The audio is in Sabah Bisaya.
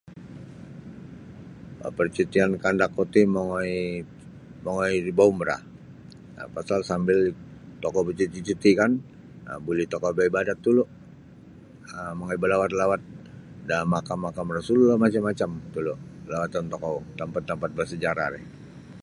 Parcutian kandakku ti mongoi mongoi baumrah pasal sambil tokou bacuti'-cuti' kan um buli tokou baibadat tulu' um mongoi balawat lawat da makam makam Rasululloh macam-macam tulu' lawatun tokou tampat-tampat bersejarah ri.